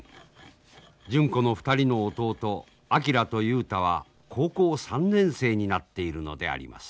純子の２人の弟昭と雄太は高校３年生になっているのであります。